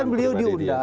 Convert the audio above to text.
kan beliau diundang